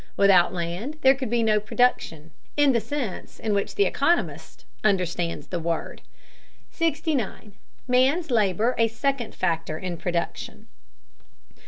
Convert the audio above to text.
Without land there could be no production, in the sense in which the economist understands the word. 69. MAN'S LABOR A SECOND FACTOR IN PRODUCTION.